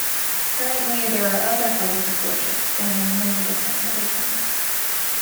Currently, there are other houses of worship spanning many different religions.